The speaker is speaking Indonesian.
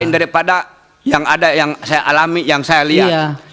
daripada yang ada yang saya alami yang saya lihat